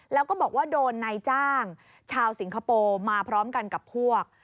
แล้วก็บอกว่าโดนนายจ้างชาวสิงคโปร์มาพร้อมกันกับพวก